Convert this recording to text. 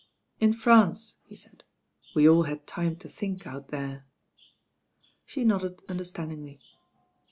"In France," he said. "We all had time to think out there." She nodded underst^ndingly.